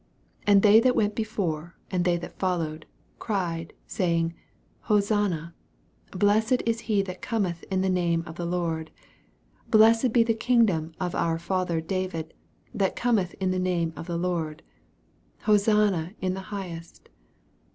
9 And they that went before, and they that followed, cried, saying, Hosanna ; Blessed is he that cometn in the name of the Lord : 10 Blessed be the kingdom of our father David, that cometh in the name of the Lord : Hosanna in the highest.